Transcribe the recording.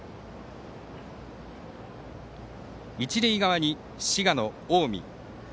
一塁側に滋賀の近江。